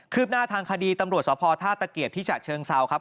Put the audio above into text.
คืบหน้าทางคดีตำรวจสวทธาตุเกียรติที่จัดเชิงเซาครับ